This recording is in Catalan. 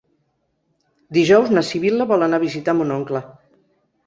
Dijous na Sibil·la vol anar a visitar mon oncle.